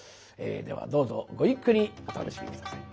ではどうぞごゆっくりお楽しみ下さい。